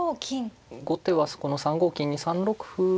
後手はそこの３五金に３六歩とか打つのか